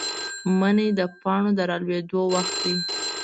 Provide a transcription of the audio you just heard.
منی د پاڼو د رالوېدو وخت دی.